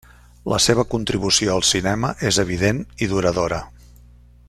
La seva contribució al cinema és evident i duradora.